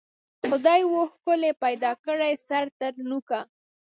خدای وو ښکلی پیدا کړی سر تر نوکه